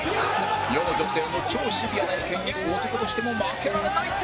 世の女性の超シビアな意見に男としても負けられない！